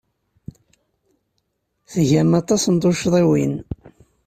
Tgam aṭas n tuccḍiwin.